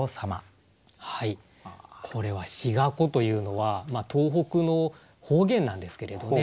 これは「しがこ」というのは東北の方言なんですけれどね